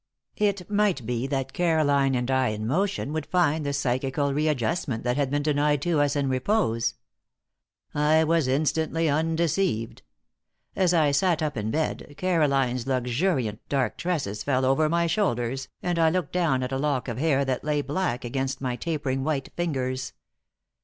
It might be that Caroline and I in motion would find the psychical readjustment that had been denied to us in repose. I was instantly undeceived. As I sat up in bed, Caroline's luxuriant dark tresses fell over my shoulders and I looked down at a lock of hair that lay black against my tapering white fingers.